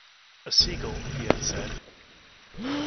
A seagull, he had said.